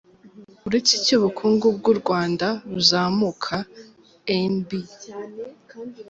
Uretse icy’ubukungu bw’u Rwanda buzamuka, Amb.